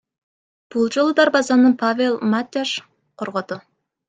Бул жолу дарбазаны Павел Матяш коргоду.